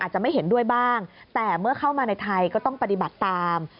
จะไม่เห็นด้วยบ้างแต่เมื่อเข้ามาในไทยก็ต้องปฏิบัติตาม